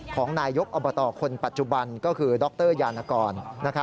ของนายยกอบตคนปัจจุบันก็คือด็อกเตอร์ยาณาคร